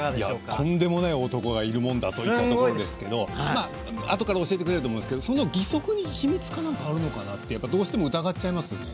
とんでもない男がいるもんだというところですけどあとから教えてくれると思うんですけれどもその義足に秘密があるのかなとどうしても疑っちゃいますよね。